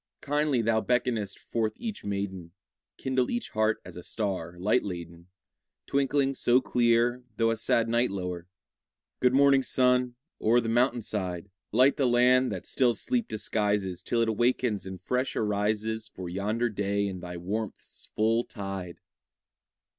Kindly thou beckonest forth each maiden; Kindle each heart as a star light laden, Twinkling so clear, though a sad night lower! Good morning, sun, o'er the mountain side! Light the land that still sleep disguises Till it awakens and fresh arises For yonder day in thy warmth's full tide!